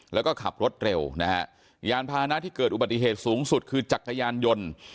แล้วก็ขับรถเร็วนะฮะยานพานะที่เกิดอุบัติเหตุสูงสุดคือจักรยานยนต์